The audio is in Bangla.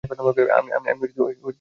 আমি ম্যাক্স ফিশার।